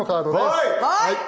はい。